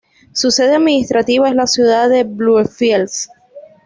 Su sede administrativa es la ciudad de Bluefields.